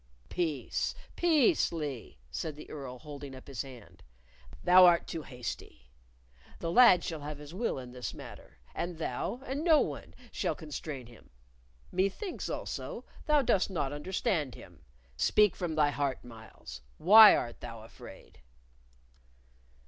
"Peace, peace, Lee," said the Earl, holding up his hand. "Thou art too hasty. The lad shall have his will in this matter, and thou and no one shall constrain him. Methinks, also, thou dost not understand him. Speak from thy heart, Myles; why art thou afraid?"